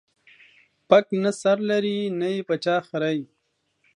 پک نه سر لري ، نې په چا خريي.